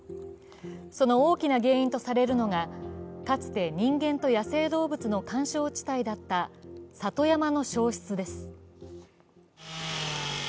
その大きな原因とされるのがかつて人間と野生動物の緩衝地帯だった里山の焼失です。